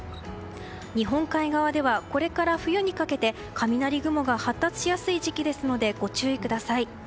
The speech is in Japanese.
日本海側ではこれから冬にかけて雷雲が発達しやすい時期ですのでご注意ください。